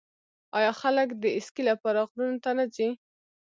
آیا خلک د اسکی لپاره غرونو ته نه ځي؟